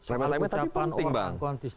remeh temeh tapi penting bang